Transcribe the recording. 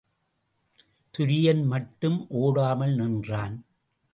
துரியன் மட்டும் ஓடாமல் நின்றான்.